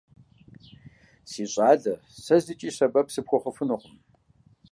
Си щӏалэ, сэ зыкӏи сэбэп сыпхуэхъуфынукъым.